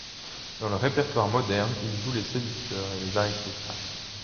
Dans le répertoire moderne, il joue les séducteurs et les aristocrates.